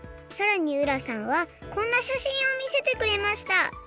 さらに浦さんはこんなしゃしんをみせてくれました